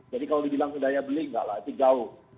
jadi kalau dibilang itu daya beli enggak lah itu jauh